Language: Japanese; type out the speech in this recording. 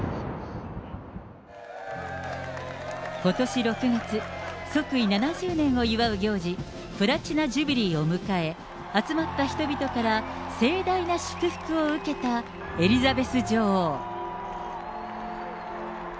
ことし６月、即位７０年を祝う行事、プラチナ・ジュビリーを迎え、集まった人々から盛大な祝福を受けたエリザベス女王。